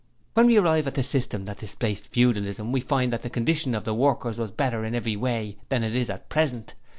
'When we arrive at the system that displaced Feudalism, we find that the condition of the workers was better in every way than it is at present.